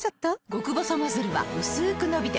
極細ノズルはうすく伸びて